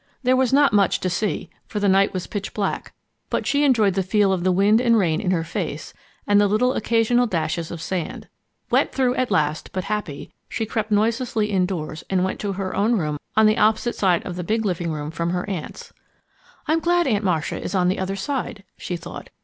There was not much to see, for the night was pitch black, but she enjoyed the feel of the wind and rain in her face and the little occasional dashes of sand. Wet through at last, but happy, she crept noiselessly indoors and went to her own room on the opposite side of the big living room from her aunt's. "I'm glad Aunt Marcia is on the other side," she thought.